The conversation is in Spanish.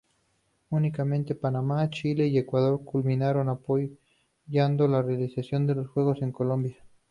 Únicamente Panamá, Chile y Ecuador culminaron apoyando la realización de los juegos en Colombia.